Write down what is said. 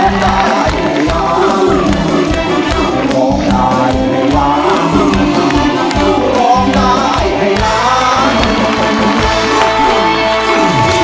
ร้องได้ร้องได้